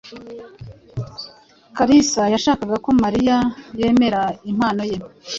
Kalisa yashakaga ko Mariya yemera impano ye.